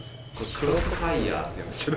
クロスファイアって言うんですけど。